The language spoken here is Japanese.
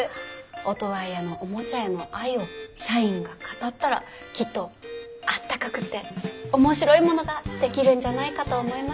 オトワヤのおもちゃへの愛を社員が語ったらきっとあったかくて面白いものができるんじゃないかと思いまして。